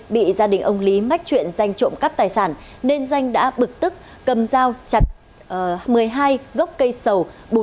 bị gia đình ông lý mách truyện danh trộm cắp tài sản nên danh đã bực tức cầm dao chặt một mươi hai gốc cây sầu